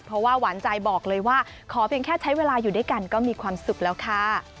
เพราะว่าหวานใจบอกเลยว่าขอเพียงแค่ใช้เวลาอยู่ด้วยกันก็มีความสุขแล้วค่ะ